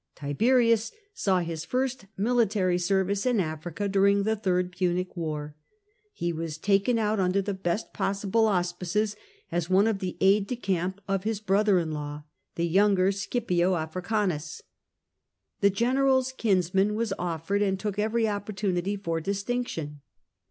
Tiberius saw his first military service in Africa during the Third Punic War. He was taken out under the best possible auspices, as one of the aides de camp of his brother in law, the younger Scipio Africanus, The general's kinsman was offered and took every opportunity for distinction.